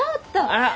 あら。